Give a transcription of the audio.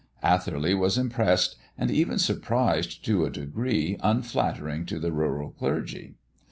Atherley was impressed and even surprised to a degree unflattering to the rural clergy.